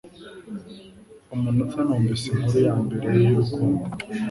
Umunota numvise inkuru yambere y'urukundo